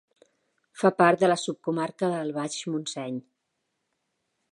Fa part de la subcomarca del Baix Montseny.